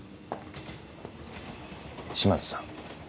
島津さん。